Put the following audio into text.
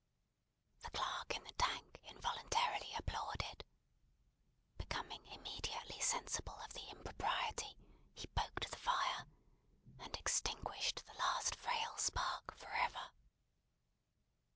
The clerk in the Tank involuntarily applauded. Becoming immediately sensible of the impropriety, he poked the fire, and extinguished the last frail spark for ever.